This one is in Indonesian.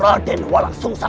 raden walang sung sang